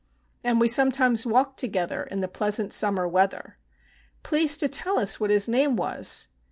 And we sometimes walked together in the pleasant summer weather, "Please to tell us what his name was?"